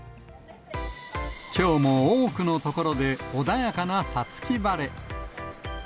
きょうも多くの所で穏やかな五月晴れ。